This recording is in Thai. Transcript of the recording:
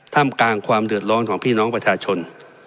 กลางความเดือดร้อนของพี่น้องประชาชน